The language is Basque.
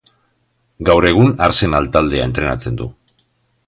Gaur egun, Arsenal taldea entrenatzen du.